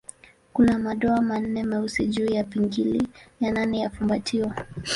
Kuna madoa manne meusi juu ya pingili ya nane ya fumbatio.